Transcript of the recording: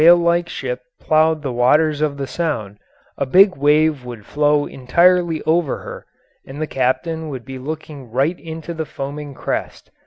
] From time to time, as this whale like ship plowed the waters of the Sound, a big wave would flow entirely over her, and the captain would be looking right into the foaming crest.